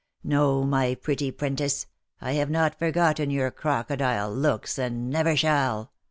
No, my pretty 'prentice, I have not forgotten your crocodile looks, and never shall.